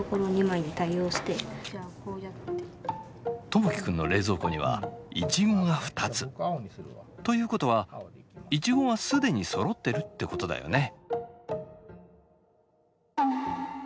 友輝くんの冷蔵庫にはイチゴが２つ。ということはイチゴは既にそろってるってことだよね。